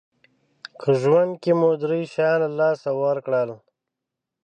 که ژوند کې مو درې شیان له لاسه ورکړل